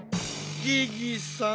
ギギさん。